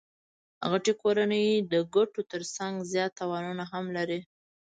غټي کورنۍ د ګټو ترڅنګ زیات تاوانونه هم لري.